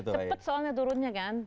cepat soalnya turunnya kan